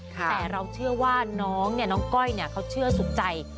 แต่เราเชื่อว่าน้องเนี่ยน้องก้อยเขาเชื่อสุดใจ